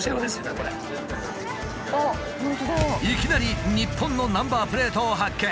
いきなり日本のナンバープレートを発見！